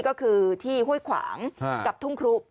ก็คือที่ห้วยขวางกับทุ่งครุ